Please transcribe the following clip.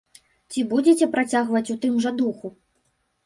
Ці будзеце працягваць у тым жа духу?